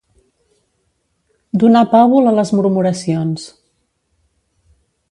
Donar pàbul a les murmuracions.